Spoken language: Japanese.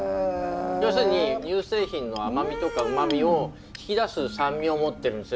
要するに乳製品の甘みとかうまみを引き出す酸味を持ってるんですよ